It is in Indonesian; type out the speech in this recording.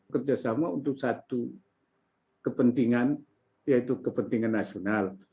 kerjasama untuk satu kepentingan yaitu kepentingan nasional